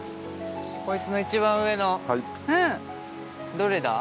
こいつの一番上のどれだ？